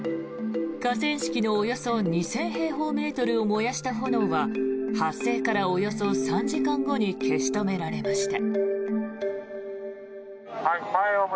河川敷のおよそ２０００平方メートルを燃やした炎は発生からおよそ３時間後に消し止められました。